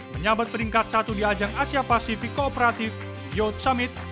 menyabat peringkat satu di ajang asia pasifik kooperatif youth summit